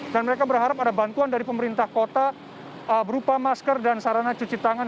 dan mereka berharap ada bantuan dari pemerintah kota berupa masker dan sarana cuci tangan